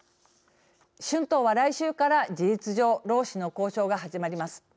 春闘は、来週から、事実上労使の交渉が始まります。